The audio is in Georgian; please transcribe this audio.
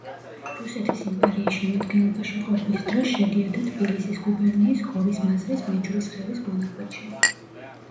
რუსეთის იმპერიის შემადგენლობაში ყოფნის დროს შედიოდა თბილისის გუბერნიის გორის მაზრის მეჯვრისხევის მონაკვეთში.